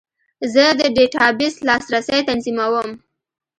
زه د ډیټابیس لاسرسی تنظیموم.